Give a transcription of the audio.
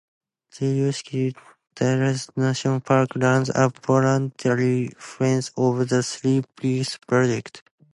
The Yorkshire Dales National Park runs a voluntary Friends of the Three Peaks project.